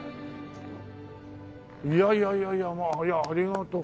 いやいやいやいやまあありがとう。